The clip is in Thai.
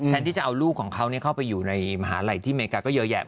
ที่จะเอาลูกของเขาเข้าไปอยู่ในมหาลัยที่อเมริกาก็เยอะแยะ